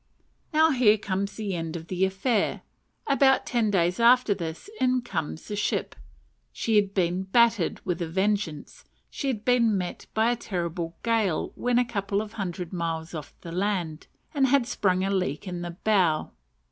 Now here comes the end of the affair. About ten days after this in comes the ship. She had been "battered" with a vengeance. She had been met by a terrible gale when a couple of hundred miles off the land, and had sprung a leak in the bow.